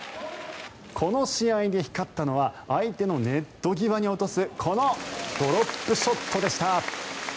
この試合で光ったのは相手のネット際に落とすこのドロップショットでした。